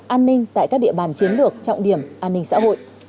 an ninh tại các địa bàn chiến lược trọng điểm an ninh xã hội